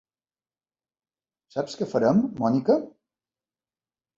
Saps què farem, Mònica?